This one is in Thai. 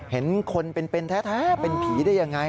เห็นคนเป็นแท้เป็นผีได้ยังไง